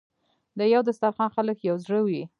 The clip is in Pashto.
د یو دسترخان خلک یو زړه وي.